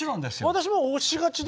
私も押しがちですけど。